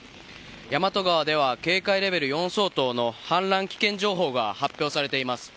大和川では警戒レベル４相当の氾濫危険情報が発表されています。